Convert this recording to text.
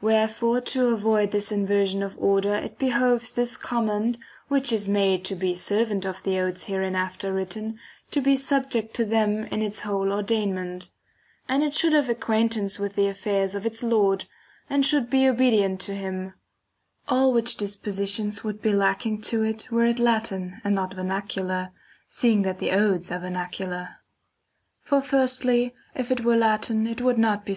Wherefore to avoid this inversion of order it behoves this comment, which is made to be servant of the odes hereinafter written, to be subject to them in its whole ordainment ; and it should have acquaintance with the affairs of its lord ; and should be obedient to him ; all which dis positions would be lacking to it were it Latin and not vernacular, seeing that the odes are vernacular. For firstly, if it were Latin it would not be a.